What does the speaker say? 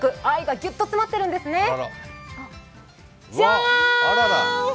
愛がギュッと詰まっているんですね。